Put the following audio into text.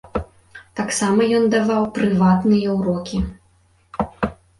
Таксама ён даваў прыватныя ўрокі.